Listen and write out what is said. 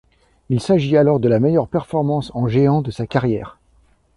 Il s'agit alors de la meilleure performance en géant de sa carrière.